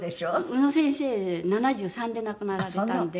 宇野先生７３で亡くなられたので。